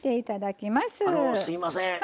あのすいません。